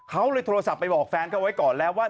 เขาเลยโทรศัพท์ไปบอกแฟนเขาไว้ก่อนแล้วว่า